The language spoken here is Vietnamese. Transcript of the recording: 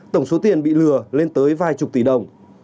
tổng số tiền bị lừa lên tới vài chục tỷ đồng